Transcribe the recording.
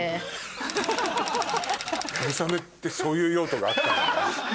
流鏑馬ってそういう用途があったのね。